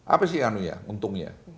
apa sih anu ya untungnya